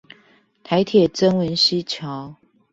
臺鐵曾文溪橋